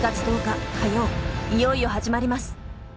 いよいよ始まります。